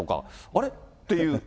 あれ？っていう、